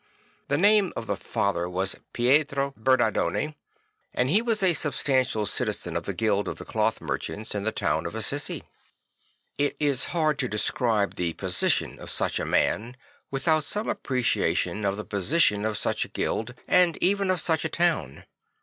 The name of the father was Pietro Bernardone and he was a substantial citizen of the guild 4 0 Francis the Fighter 4 1 of the cloth merchants in the town of Assisi. It is hard to describe the position of such a man without some appreciation of the position of such a guild and even of such a town.